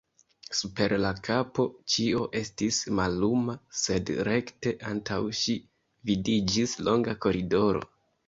Super la kapo ĉio estis malluma, sed rekte antaŭ ŝi vidiĝis longa koridoro.